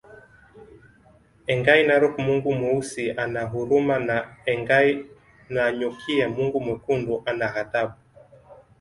Engai Narok Mungu Mweusi ana huruma na Engai Nanyokie Mungu Mwekundu ana ghadhabu